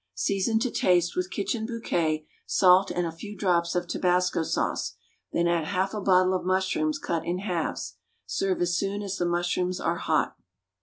Season to taste with Kitchen Bouquet, salt, and a few drops of tabasco sauce, then add half a bottle of mushrooms, cut in halves. Serve as soon as the mushrooms are hot.